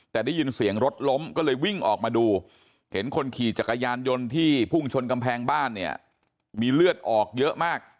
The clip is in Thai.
แต่ได้ยินเสียงรถล้มก็เลยวิ่งออกมาดูเห็นคนขี่จักรยานยนต์ที่พุ่งชนกำแพงบ้านเนี่ยมีเลือดออกเยอะมาก